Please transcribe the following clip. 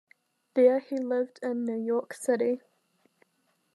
There he lived in New York City.